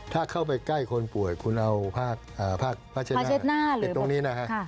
ถ้าเข้าไปใกล้คนป่วยคุณเอาผ้าชนะติดตรงนี้นะฮะ